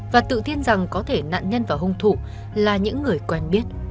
và tự tin rằng có thể nạn nhân và hung thủ là những người quen biết